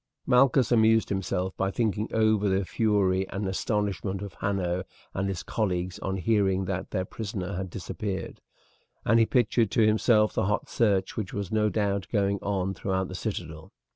Malchus amused himself by thinking over the fury and astonishment of Hanno and his colleagues on hearing that their prisoner had disappeared, and he pictured to himself the hot search which was no doubt going on throughout the citadel.